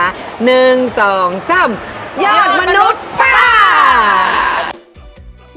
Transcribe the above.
ยอดมนุษย์ป้า